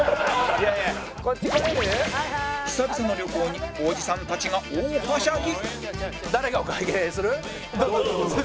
久々の旅行におじさんたちが大はしゃぎ